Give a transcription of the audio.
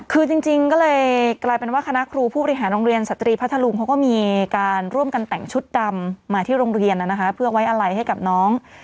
คือจริงก็เลยกลายเป็นว่าคณะครูผู้บริหารโรงเรียนสตรีพัทธรุงเขาก็มีการร่วมกันแต่งชุดดำมาที่โรงเรียนนะคะเพื่อไว้อะไรให้กับน้อง